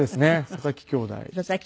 佐々木兄弟。